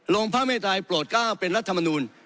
โรงพระไม่ตายโปรดก้าวเป็นรัฐธรรมนุน